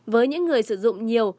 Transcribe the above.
với những người sử dụng nhiều